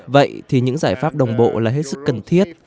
vậy thì những giải pháp đồng bộ là hết sức cần thiết